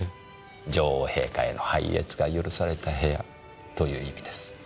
女王陛下への拝謁が許された部屋という意味です。